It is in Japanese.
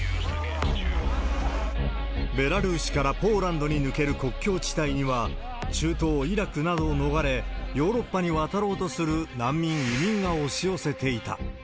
ベラルーシからポーランドに抜ける国境地帯には、中東イラクなどを逃れ、ヨーロッパに渡ろうとする難民、移民が押し寄せていた。